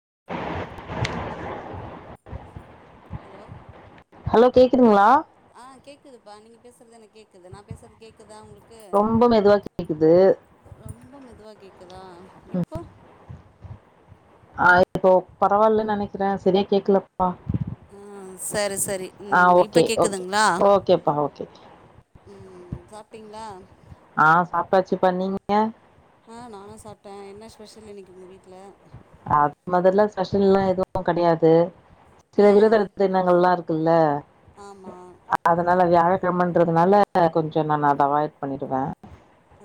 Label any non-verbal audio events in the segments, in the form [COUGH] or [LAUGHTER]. [UNINTELLIGIBLE] Hello hello கேக்குதுங்களா ஆ கேக்குதுப்பா நீங்க பேசுறது என்ன கேக்குது நான் பேசறது கேக்குதா உங்களுக் ரொம்ப மெதுவா கேக்குது ரொம்ப மெதுவா கேக்குதா இப்போ ஆ இப்போ பரவாயில்லன்னு நினைக்கிறேன் சரியா கேக்கல ஆ ஆ சரி சரி ஆ ம் இப்ப ஓகே ஓகே கேக்குதுங்களா ஓகேப்பா ஓகே ம் சாப்ட்டீங்களா ஆ சாப்ட்டாச்சு பா நீங்க ஆ நானும் சாப்ட்டேன் என்ன ஸ்பெஷல் இன்னைக்கு உங்க வீட்ல அது மாதிரல்லாம் ஸ்பெஷல் எல்லாம் எதுவும் கெடையாது சில ஏ விரதனங்கள்ல்லா இருக்கு ஆமா [UNINTELLIGIBLE] அதனால வியாழக் ன்றதுனால கொஞ்சம் நான் அதை அவாய்ட் பண்ணிடுவேன்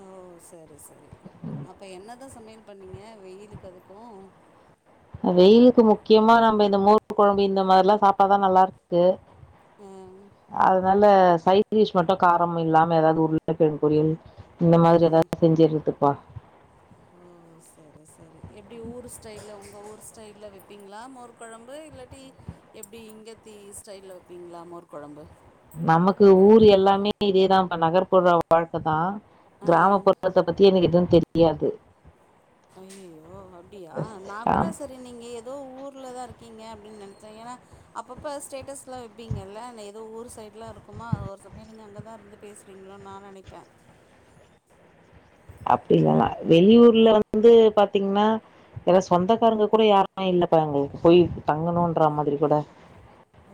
ஓ சரி சரி அப்ப என்னதான் சமையல் பண்ணீங்க வெயிலுக்கு அதுக்கும் வெயிலுக்கு முக்கியமா நம்ம இந்த மோர் குழம்பு இந்த மாரி ல்லாம் சாப்ட்டாதான் நல்லா இருக்கு ஆ அதனால சைதீஷ் மட்டும் காரம் இல்லாம ஏதாவது உருளைக்கிழங்கு பொரியல் இந்த மாதிரி எல்லாம் செஞ்ஜு எடுத்து பா ஓ சரி சரி எப்டி ஊர் ஸ்டைல்ல உங்க ஊர் ஸ்டைல்ல வைப்பீங்களா மோர்க குழம்பு இல்லட்டி எப்டி இங்கத்தி ஸ்டைல்ல வைப்பீங்களா மோர் குழம்பு நமக்கு ஊர் எல்லாமே இதேதான் இப்ப நகர்புற வாழ்க்க தான் ஆ கிராமப்புறத்தை பத்தி எனக்கு எதும் தெரியாது அயயோ அப்படியா நா ஆ கூட சரி நீங்க ஏதோ ஊர் லதா இருக்கீங்க அப்படின்னு நெனைச்சே ஏன்னா அப்பப்ப ஸ்டேட்டஸ் எல்லாம் வப்பீங்கல்ல ஏதோ ஊர் சைடலா இருக்குமா ஒரு சமய நீங்க அங்கதா இருந்து பேசுறீங்களோனு நா நெனைப்பே அப்டி இல்லல்லா வெளியூர்ல வந்து பாத்தீங்கன்னா ஏன்னா சொந்தக்காரங்க கூட யாருமே இல்லப்பா எங்களுக்கு போய் தங்கணும்ன்ற மாதிரி கூட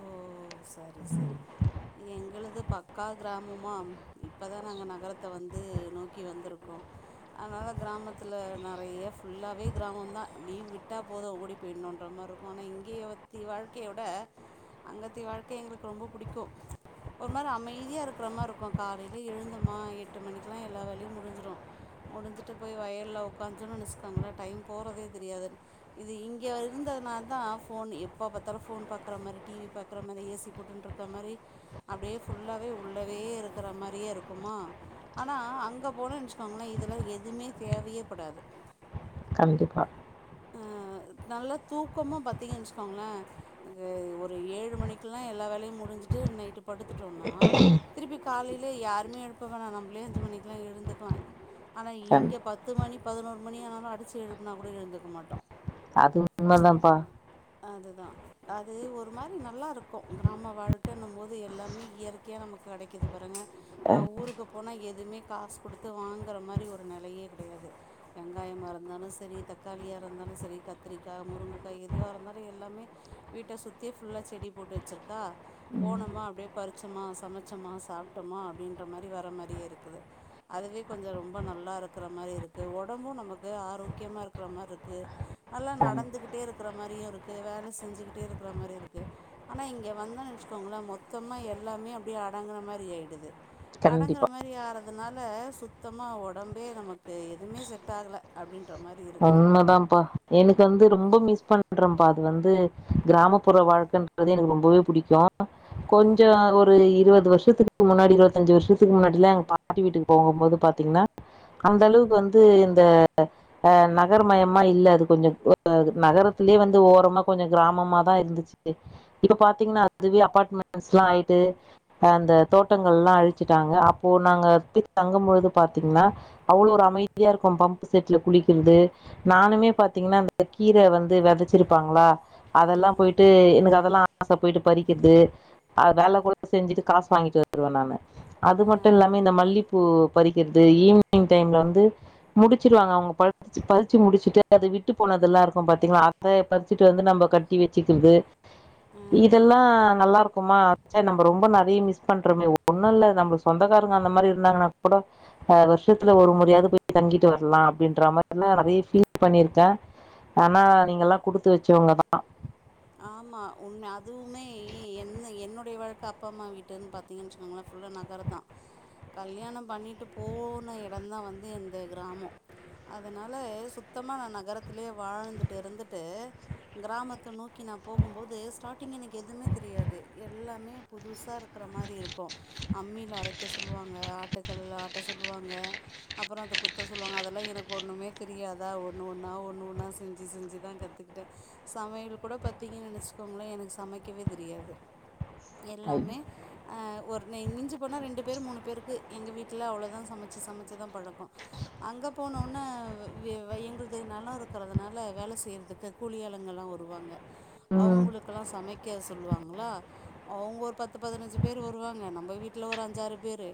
ஓ சரி சரி எங்களது பக் அக்கா கிராமமாக இப்போ தான் நாங்கள் நகரத்தை வந்து நோக்கி வந்திருக்கோ அதனால் கிராமத்தில் நறைய ஃபுல்லாகவே கிராமம்தா லீவ் விட்டா போதோ ங்கடி போயணுன்ற மாரி இருக்கும் ஆனால் இங்கேயே வற்றி வாழ்க்கைய விட அங்கேத்த வாழ்க்கை எங்களுக்கு ரொம்ப பிடிக்கோ ஒரு மாரி அமைதியா இருக்குற மாதிரி இருக்கோ காலைல எழுந்தோமா எட்டு மணிக்கெல்லா எல்லா வேலையோ முடிஞ்சிடோ முடிஞ்சுட்டு போய் வயல்ல ஒக்காஞ்சோன்னு நெனச்சுக்கோங்களே டைம் போகறதே தெரியாது இது இங்கே இருந்ததுனால தா ஃபோன் எப்போ பாத்தாலோ ஃபோன் ப பார்க்கற மாதிரி டி வி பார்க்குற மாதிரி ஏ சி போட்டு இருக்க மாதிரி அப்படியே ஃபுல்லாகவே உள்ளவே இருக்குற மாரியே இருக்குமா ஆனா அங்கே போன நெனச்சக்கோங்கள இதெல்லா எதுவுமே தேவையேப்படாது கண்டிப்பா நல்லா தூக்கமும் பாத்தீங்கச்சுக்கோங்களன் ஒரு ஏழு மணிக்கு எல்லாம் எல்லா வேலையும் முடிஞ்சுட்டு நைட்டு படுத்துட்டு பாத்தோன்னா திருப்பிக் காலைல யாருமே எழுப்ப வேணா நம்மளே அஞ்சு மணிக்கெல்லா எழுந்துக்கலா ஆனா கண் இங்க பத்து மணி பதினோரு மணியனாலோ அடித்து எழுப்புனா கூட எழுது இருக்க மாட்டோ அது உண்மை தான்ப்பா அதுதா அது ஒரு மாரி நல்லாருக்கோ கிராம வாழ்க்கன்னு போது எல்லாமே இயற்கையா நமக்கு கெடைக்குது பாருங்க இப்போ நா ஊருக்கு போனா எதுவுமே காசு கொடுத்து வாங்குற மாரி ஒரு நெலையே கெடையாது வெங்காயமா இருந்தாலோ செரி த தக்காளியாக இருந்தாலு செரி கத்திரிக்கா முருங்கைக்கா எதுவா இருந்தாலு எல்லாமே வீட்ட சுத்தியே ஃபுல்லா செடி போட்டு வெச்சுருக்கா ம் போனோமா அப்டியே பறிச்சோமா சமைச்சோமா சாப்ட்டோமா அப்படின்ற மாரி வர மாரியே இருக்குது அதுவே கொஞ்சோ ரொம்ப நல்லா இருக்குற மாரி இருக்குது ஒடம்போ நமக்கு ஆரோக்கியமா இருக் இருக்கிற மாரி இருக்கு நல்லா கண் நடந்துக்கிட்டே இருக்குற மாரியு இருக்கு வேல செஞ்சுக்கிட்டே இருக்குற மாரியு இருக்கு ஆனா இங்கே வந்து நெனச்சுக் கோங்கள மொத்தமா எல்லாமே அப்படியே அடங்குற மாரி ஆகிடுது அடங்குற கண்டிப்பா மாரி ஆறது அதனால சுத்தமா ஒடம்பே நமக்கு எதுவுமே செட் ஆகல அப்படின்ற மாரி உண்மைதாப்பா எனக்கு வந்து ரொம்ப மிஸ் பண்ண ன்ற பா அது வந்து கிராமப்புற வாழ்க்கன்றது எனக்கு ரொம்பவே புடிக்கோ கொஞ்சோ ம் ஒரு இருபது வருஷ் வருஷத்துக்கு முன்னாடி இருபத்தஞ்சு வருஷத்துக்கு முன்னாடிிலாம் எங்க பாட்டி வீட்டுக்கு போகும் போது பாத்தீங்கன்னா அந்த அளவுக்கு வந்து இந்த நகர் மயமா இல்ல அது கொஞ்சம் நகரத்திலேயே வந்து ஓரமா கொஞ்சம் கிராமமாதா இருந்துச்சு இப்ப பாத்தீங்கன்னா அதுவே அபார்ட்மெண்ட்ஸ் எல்லாம் ஆயிட்டு அஹ் அந்த தோட்டங்கள் எல்லாம் அழிச்சுட்டாங்க அப்போ நாங்க போய் தங்கும் பொழுது பாத்தீங்கன்னா அவ்வளவு ஒரு அமைதியா இருக்கும் பம்ப செட்ல குளிக்க இரு நானுமே பா்த்தீங்கன்னா அந்த கீர வந்து வெதைச்சிருப்பாங்களா அதெல்லா ம் போயிட்டு எனக் அ அதல்லா ஆசை போய்ட்டு பறிக்கிறது வேல கூட செஞ்சுட்டு காசு வாங்கிட்டு வருவே நா அது ஆ மட்டு இல்லாம இந்த மல்லிப்பூ பறிக்கிறது ஈவினிங் டைம்ல வந்து முடிச்சவாங்க அவுங்க பறிச்ச பறிச்சு முடிச்சுட்டு அது விட்டு போனதெல்லாம் இருக்கோ பார்த்தீங்களன்னா அத பறிச்சுட்டு வந்து நம்ம கட்டி வெச்சுக்கிறது ஆ இதெல்லா நல்லா இருக் நம ரொம்ப நிறைய மிஸ் பண்றோமே ஒண்ணும் இல்ல நம்ம சொந்தக்காரங்க அந்த மாதிரி இருந்தாங்கன்னா கூட வருஷத்துல ஒரு முறாது போய் தங்கிட்டு வரலாம் அப்படின்ற மாரி ல்லாம் நிறைய பீல் பண்ணிருக்க ஆனா நீங்கலா குடுத்து வெச்சவங்க தா ஆமா ஒன்னு அ அதுவுமே என் என்னுடைய வாழ்க் அப்பா அம்மா வீட்டுன்னு பாத்தீங்கன்னு சொன்னிங்கன்னா ஃபுல்லா நகரோ தா கல்யாணம் பண்ணிட்டு போன இடம் தா வந்து இந்த கிராமம் அதனால சுத்தமாக நகரத்திலயே வாழ்ந்துட்டு இருந்துட்டு கிராமத்த நேக்கி நான் போகும்போது ஸ்டார்ட்டிங் எனக்கு எதுவுமே தெரியாது எல்லாமே புதுசா இருக் பாக்குற மாரி இருக்கோ அம்மியில் அரைக்க சொல்லுவாங்க ஆட்டுக்கல்லுல ஆட்ட சொல்லுவாங்க அப்புறோ அத குத்த சொல்லுவாங்க அதெல்லா எனக்கு ஒன்னுமே தெரியாதா ஒன்னு ஒன்னா ஒன்னு ஒன்னா செஞ்சு செஞ்சு தா கத்துக்கிட்டே சமையல் கூட பாத்தீங்கன்னு நினைச்சிக்கோங்களேன் எனக்கு சமைக்கவே தெரியாது எல்லாமே அ ஒரு ன்னை மிஞ்சி போனா ரெண்டு பேரு மூணு பேருக்கு எங்க வீட்ல அவ்ளோதா சமைச்சு சமைச்சு தா பழக்க அங்க போனவொன்னே வெ வ எங்குள்து நெல இருக்கிறதுனால வேல செய்யறதுக்கு கூலி ஆளுங்கல்லா வருவாங்க ம் அவுங்களுக்கெல்லா சமைக் க சொல்லுவாங்களா அவுங்க ஒரு பத்து பதினஞ்சு பேர் வருவாங்க நம்ப வீட்டுல் ஒரு அஞ்சாறு பேரு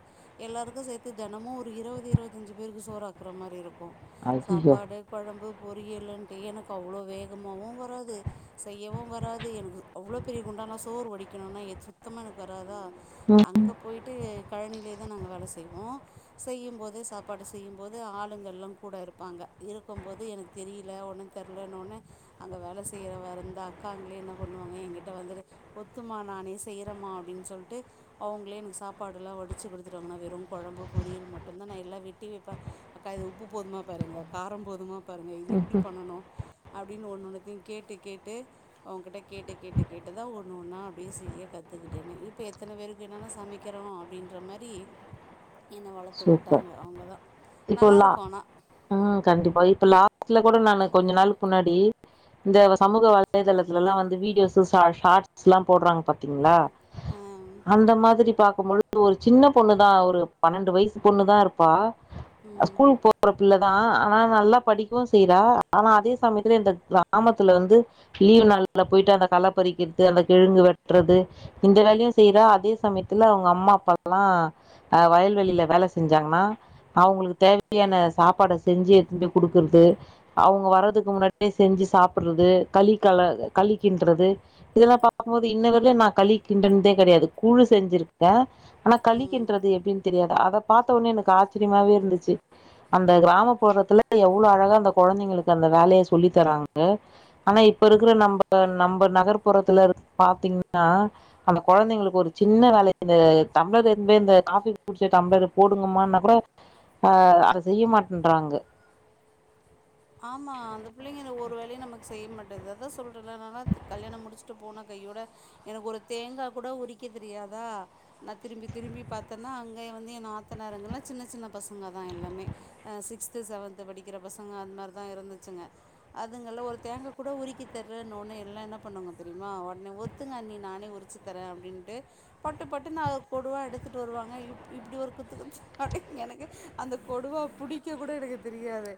எல்லாருக்கு சேத்து தெனமு ஒரு இருபது இருபத்தஞ்சு பேருக்கு சோறாக்குற மாரி இருக் கு ஐயயோ சாப்பாடு கொழம்பு பொரியலுன்ட்டு எனக்கு அவ்ளோ வேகமாவு வராது செய்யவு வராது எனக்கு அவ்ளோ பெரிய குண்டலா சோறு வடிக்கணுனா சுத்தமாக எனக்கு வராதா ம் அங்க போய்ட்டு கழனியிலயே தா நாங்க வேல செய்வோ செய்யும்போதே சாப்பாடு செய்யும்போது ஆளுங்கெல்லா கூட இருப்பாங்க இருக்கும் போது எனக்கு தெரியல ஒன்னு தெரிலன்னொன்னே அங்க வேல செய்ற வர இந்த அக்காங்களே என்ன பண்ணுவாங்க எங்கிட்ட வந்துட்டு ஒத்துமா நானே செய்றேம்மா அப்படின்னு சொல்லிட்டு அவங்களே எனக்கு சாப்பாடெல்லா வடிச்சு குடுத்துருவாங்க நா வெறு கொழம்பு பொரியல் மட்டுந்தா நா எல்லா வெட்டி வெப்பே அக்கா இது உப்பு போதுமா பாருங்க காரம் போதுமா பாருங்க இது எப்படி பண்ணனு அப்படின்னு ஒன்னொத்தையும் கேட்டு கேட்டு அவங்ககிட்ட கேட்டு கேட்டு கேட்டுதான் ஒண்ணு ஒன்னா அப்படியே செய்ய கத்துக்கிட்டேனே இப்ப எத்தன பேருக்குனாலும் சமைக்கிறோம் அப்படின்ற மாரி சூப்பர் இப்போல்லா நல்லாயிருக்கும் ஆனால் உம் கண்டிப்பா இப்ப ல த்துல கூட நான் கொஞ்ச நாளுக்குக்கு முன்னாடி இந்த சமூக வலைதளத்துல எல்லாம் வந்து வீடியோஸ் ஷா ஷார்ட்ஸ் எல்லாம் போடுறாங்க பாத்தீங்களா ம் அந்த மாதிரி பாக் ழுது ஒரு சின்ன பொண்ணு தான் ஒரு பன்னெண்டு வயசு பொண்ணுதான் இருப்பா அ ஸ்கூல் போறப் ள்ளதான் ஆனா நல்லா படிக்கவும் செய்யறா ஆனா அதே சமயத்துல இந்த கிராமத்துல வந்து லீவ்நாள்லா போயிட்டு அந்த கள்ள பறிக்கிறது அந்த கெழங்கு வெட்டறது இந்த வேலையும் செய்யற அதே சமயத்துல அவங்க அம்மா அப்பால்லாம் ஹ் வயல்வெளியில வேல செ செஞ்சாங்கன்னா அவங்களுக்கு தேவையான சாப்பாட செஞ்சு எடுத்துனுபோய் குடுக்கறது அவங்க வர்றதுக்கு முன்னாடியே செஞ்சு சாப்பிடுறது களி கள களி கின்டறது இதெல்லாம் பார்க்கும்போது இன்ன வரையும் நான் களிக்கின்டுனதே கெடையாது கூழ் செஞ்சிருக்கேன் ஆனா ம் களிக்கின்டுறது எப்படின்னு தெரியாது அத பார்த்த ஒனே எனக்கு ஆச்சரியமாவே இருந்துச்சு அந்த கிராமப்புறத்துல எவ்வளவு அழகா அந்த கொழந்தைங்களுக்கு அந்த வேலையை சொல்லி தராங்க ஆனா இப்ப இருக்கிற நம்ப நம்ப நகர்ப்புறத்துல இருக் பாத்தீங்கன்னா அந்த கொழந்தைங்களுக்கு ஒரு சின்ன வேல இந்த டம்பளர் எடுத்துனு போய் காஃபி குடிச்ச டம்பளரு போடுங்கமானா கூட ஆஹ் அத செய்ய மாட்டேன்றாங்க ஆமாம் அந்த பிள்ளைங்க இந்த ஒரு வேலையும் நமக்கு செய்ய மாட்டேது அதான் சொல்றெல [UNINTELLIGIBLE] கல்யாணம் முடிச்சுட்டு போன கையோட எனக்கு ஒரு தேங்காய் கூட உரிக்க தெரியாதா நான் திரும்பி திரும்பி பாத்தேன்னா அங்கே வந்து என் நாத்தனார்ங்லாம் சின்ன சின்ன பசங்க தான் எல்லாமே சிக்ஸ்து செவன்த் படிக்கிற பசங்க அந்த மாரி தான் இருந்துச்சுங்க அதுங்கெல்லாம் ஒரு தேங்கா கூட உரிக்கி தெரிலன்னொனே எல்லாம் என்ன பண்ணுங்க தெரியுமா உடனே ஒத்துங்க அண்ணி நானே உரிச்சு தரேன்டு அப்படின்ட்டு பட்டு பட்டு நான் கொடுவா எடுத்துட்டு வருவாங்க இப்படி ஒரு குத்து எனக்கு அந்த கொடுவா புடிக்க கூட எனக்கு தெரியாது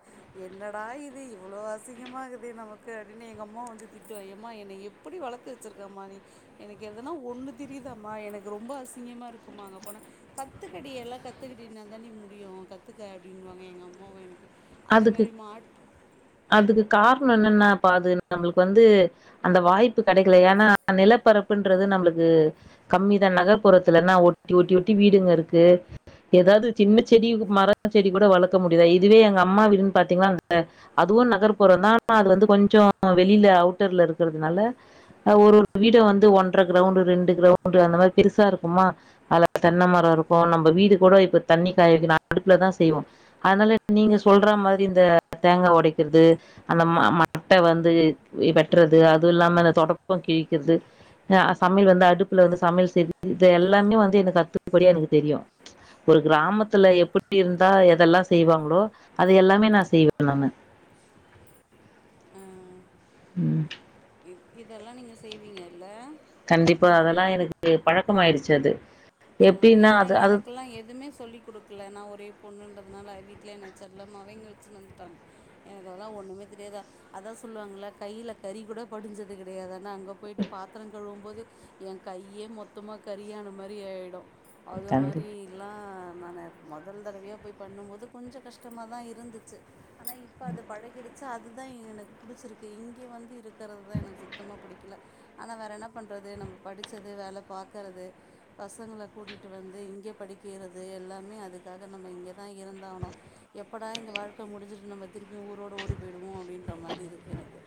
என்ன டா இது இவ்வளோ அசிங்கமாக இருக்குது நமக்கு அப்படின்னு எங்கள் அம்மாவெ வந்து திட்டுவேன் ஏம்மா என்னை எப்படி வளர்த்து வெச்சுருக்கம்மா நீ எனக்கு எதுனா ஒன்னு தெரியுதாம்மா எனக்கு ரொம்ப அசிங்கமாக இருக்குமா அங்க போனா கத்துக்கடி எல்லாம் கத்துக்கிட்டனா தான் முடியும் கத்துக்க அப்படின்னுவாங்க எங்கள் அம்மாவும் எனக்கு அதே அதுக்கு மாரி மாட் அதுக்கு காரணம் என்னன்னா பா அது நம்மளுக்கு வந்து அந்த வாய்ப்பு கெடைக்கல ஏன்னா நிலப்பரப்புன்றது நம்மளுக்கு கம்மிதான் நகர்ப்புறத்துலன்னா ஒட்டி ஒட்டி ஒட்டி வீடுங்க இருக்கு ஏதாவது சின்ன செடி மரம் செடி கூட வளர்க்க முடியுதா இதுவே எங்க அப் அம்மா வீடு பாத்தீங்கன்னா அந்த அதுவும் நகர்புறம் தான் ஆனா அது வந்து கொஞ்சம் வெளியில அவுட்டர்ல இருக்கிறதுனால ஒரு ஒரு வீட வந்து ஒன்ற கிரௌண்ட ரெண்டு கிரௌண்ட் அந்த மாரி பெருசா இருக்குமா அதுல தென்னை மரம் இருக்கும் நம்ம வீடு கூட இப்ப தண்ணி காய வ அடுப்புலதான் செய்வோம் அதனால நீங்க ம் சொல்ற மாரி இந்த தேங்காய் ஒடைக்கிறது அந்த ம மட்டை வந்து வெட்டுறது அதுவும் இல்லாம அந்த தொடப்பம் கிழிக்கிறது ஹ் சமையல் வந்து அடுப்புல வந்து சமையல் செய்து இது எல்லாமே வந்து எனக்கு அத்துபடியா எனக்கு தெரியும் ஒரு கிராமத்துல எப்படி இருந்தா எதெல்லாம் செய்வாங்களோ அது எல்லாமே நான் செய்வேன் நானு ஆஹ்வ் உம் இத் இதெல்லா நீங்க செய்வீங்கள்ல கண்டிப்பா அதெல்லா எனக்கு பழக்கமாயிருச்சு அது ஆஹ் எப்டின்னா ஏனா அது அது எனக்குலா எதுமே சொல்லி் குடுக்ல நா ஒரே பொண்ணுன் ன்றதுனால வீட்லே என்னை செல்லமாவே இங்க வெச்சுனுருந்துட்டாங்க எனக்கு அதெல்லா ஒன்னுமே தெரியாதா அதா சொல்லுவாங்கள கைல கரிகூட படிஞ்சது கெடையாது ஆனா அங்க போயிட்டு பாத்தரங் கழுவும் போது எ கையே மொத்தமா கரியான மாரி ஆய்ட் டு அதோ கண்டி மாரிலா நான்னு மொதல் தடவையா போய் பண்ணும் போது கொஞ்ச கஷ்டமாதா இருந்துச்சு ஆனா இப்ப அது பழகிடுச்சு அத் துதா எ எனக் புடிச்சிருக்கு இங்கே வந்து இருக்கறவுதுதா எனக்கு சுத்தமா புடிக்கிலே ஆனா வேற என்னாப் பண்றது நம்மே படிச்சது வேலே பாக்கறது பசங்களே கூட்டிட்டு வந்து இங்கே படிக்கீறது எல்லாமே அதுக்காக நம்மே இங்கேதா இருந்தாவுணோ எப்படா இந்தே வாழ்க்கே முடிஞ்சுர்ட்டு நம்மே திருப்பியூ ஊரோட ஓடி போயிடுவோ அப்டின்ற மாரி இருக் கெனக்கு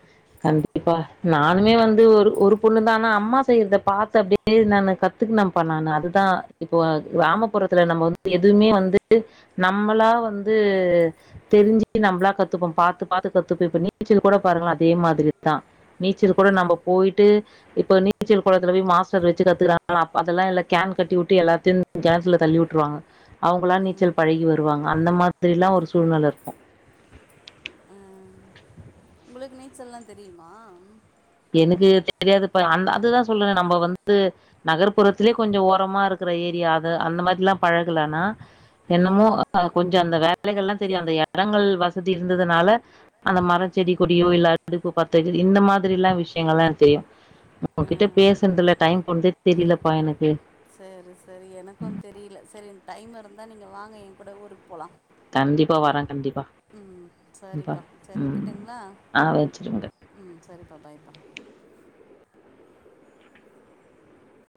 கண்டிப்பா நானுமே வந்து ஒரு ஒரு பொண்ணு தானா அம்மா செயிற்தே பாத்தப்டே நானு கத்துக்கினம்பா நானூ அதுதா இப்போ அது வெயாமப்புறத்துலே நம்மோ வந்து எதுமே வந்துட்டு நம்மளா வந்தூ தெரிஞ்சு நம்ளா கத்துப்போ பாத்து பாத்து கத்போ இப்ப நீச்சல் கோட பாருங்களேன் தே மாதிரிதா நீச்சல் ஆ, கூட நம்போ போயிட்டு இப்ப நீச்சல் கொளத்துல போயி மாஸ்டர் வெச்சு கத்துக்றாங்ளா அப் அதெல்லா இல்லே கேன் கட்டி உட்டு எல்லாத்தின் கேணத்துலே தள்ளீ உட்ருவாங்கே அவுங்கல்லா ம், நீச்சல் பழகி வருவாங்கே அந்தே மார்திரிலா ஒரு சூழ்நெல இர்க்கோ உங்ளுக்கு நீச்சல்லா தெரியுமா எனக்கு தெரியாதுப்பா அந்த அதுதா சொல்ற நம்பொ வந்து நகர்ப்புறத்துலே கொஞ்சோ ஓரமா இருக்குற ஏரியா அத அந்த மாரில்லா பழகலன்னா என்னமோ ம் அ கொஞ்சொ அந்த வேலைகள்ல்லா தெரியு அந்த எடங்கள் வசதி இருந்ததுனால அந்த மரொ செடி கொடியோ இல்ல அடுப்பு பத்த வெ இந்த மா திரில்லா விஷ்யங்கள்லா எனக் தெரியு உங்கக்கிட்ட ஆ. பேசுனதுல டைம் போன்தே தெரியிலப்பா எனக்கு சேரி சேரி எனக்கு வந் தெரியில செரி டைம் இருந்தா நீங்க வாங்க ஏங் கூட ஊருக் போலா கண்டிப்பா வர கண்டிப் ம் சரிப்பா சரி ம் வெக்கட்டுங்ளா ஆ வச்சிருங்க ம் சரி பா பாய்ப்பா